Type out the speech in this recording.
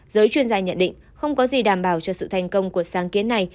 giới chuyên gia nhận định không có gì đảm bảo cho sự thành công của sáng kiến này